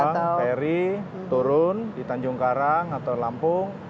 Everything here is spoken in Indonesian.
nyebrang feri turun di tanjung karang atau lampung